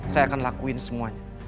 saya akan lakuin semuanya